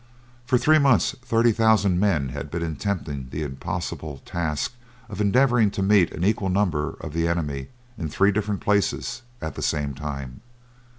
For three months thirty thousand men had been attempting the impossible task of endeavoring to meet an equal number of the enemy in three different places at the same time.